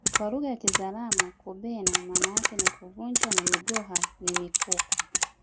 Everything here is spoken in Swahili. Kwa lugha ya kizaramo kubena maana yake ni kuvunja na migoha ni mikuku